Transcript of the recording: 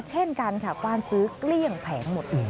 เช่นกันค่ะกว้านซื้อเกลี้ยงแผงหมด